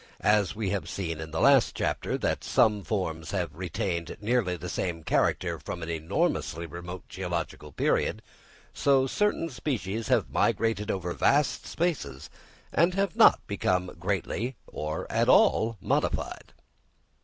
As we have seen in the last chapter that some forms have retained nearly the same character from an enormously remote geological period, so certain species have migrated over vast spaces, and have not become greatly or at all modified.